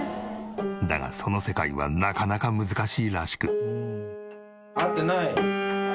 だがその世界はなかなか難しいらしく。